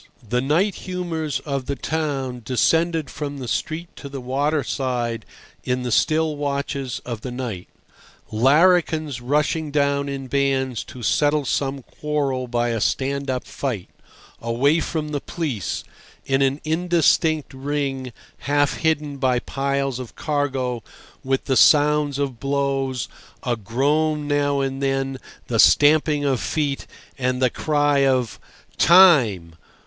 The night humours of the town descended from the street to the waterside in the still watches of the night: larrikins rushing down in bands to settle some quarrel by a stand up fight, away from the police, in an indistinct ring half hidden by piles of cargo, with the sounds of blows, a groan now and then, the stamping of feet, and the cry of "Time!"